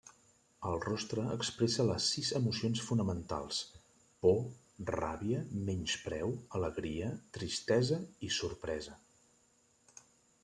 El rostre expressa les sis emocions fonamentals: por, ràbia, menyspreu, alegria, tristesa i sorpresa.